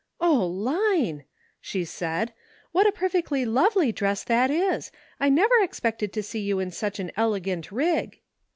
" O, Line!" she said, "what a perfectly lovely dress that is ! I never expected to see you in such an elegant rig."